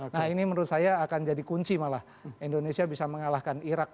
nah ini menurut saya akan jadi kunci malah indonesia bisa mengalahkan irak